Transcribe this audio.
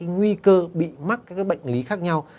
nguy cơ bị mắc các bệnh lý khác nhau